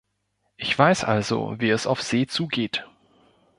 Ich weiß also, wie es auf See zugeht.